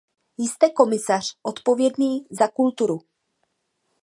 Jste komisař odpovědný za kulturu.